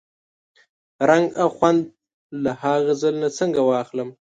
رنګ او خوند له ها غزل نه څنګه واخلم؟